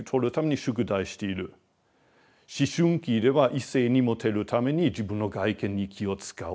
思春期では異性にモテるために自分の外見に気を遣う。